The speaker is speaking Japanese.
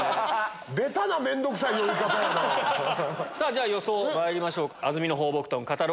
じゃ予想まいりましょう。